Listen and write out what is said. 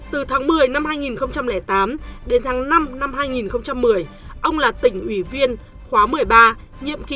từ tháng một mươi năm hai nghìn tám đến tháng năm năm hai nghìn một mươi ông là tỉnh ủy viên khóa một mươi ba nhiệm kỳ hai nghìn một mươi một hai nghìn một mươi